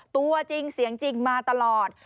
ตัวจริงเสียงจริงมาตลอด